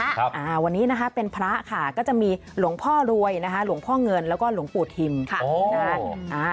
อ่าวันนี้นะคะเป็นพระค่ะก็จะมีหลวงพ่อรวยนะคะหลวงพ่อเงินแล้วก็หลวงปู่ทิมค่ะนะฮะ